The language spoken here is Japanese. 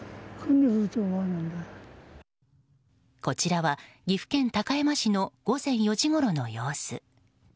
こちらは岐阜県高山市の午前４時ごろの様子。